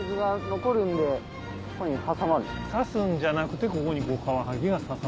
刺すんじゃなくてここにカワハギが挟まる。